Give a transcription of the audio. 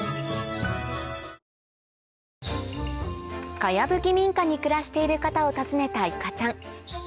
茅ぶき民家に暮らしている方を訪ねたいかちゃん